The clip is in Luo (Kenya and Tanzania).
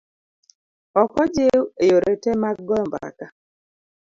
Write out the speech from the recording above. Ok ojiw e yore te mag goyo mbaka.